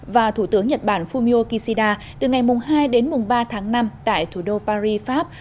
và thủ tướng nhật bản fumio kishida từ ngày hai đến ba tháng năm tại thủ đô paris pháp